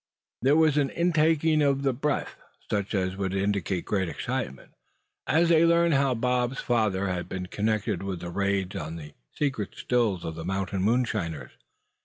There was an intaking of the breath, such as would indicate great excitement, as they learned how Bob's father had been connected with the raids on the secret Stills of the mountain moonshiners.